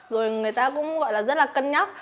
rồi người ta cũng gọi là rất là cân nhắc